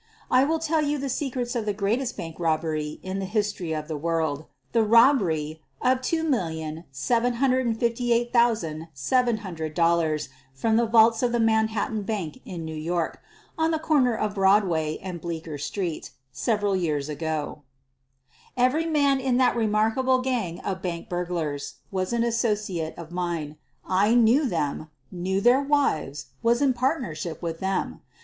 I will tell you the secrets of the greatest bank rob bery in the history of the world — the robbery of $2,758,700 from the vaults of the Manhattan Bank in New York, on the corner of Broadway and Bleecker Street, several years ago. Every man in that remarkable gang of bank burglars was an associate of mine — I knew them, knew their wives, was in partnership with them.